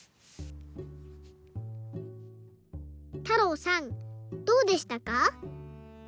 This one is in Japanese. たろうさんどうでしたか？